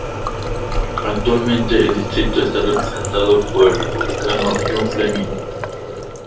Actualmente el distrito está representado por el Republicano John Fleming.